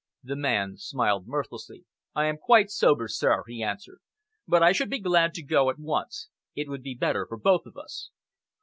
The man smiled mirthlessly. "I am quite sober, sir," he answered, "but I should be glad to go at once. It would be better for both of us."